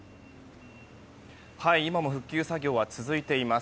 今も復旧作業は続いています。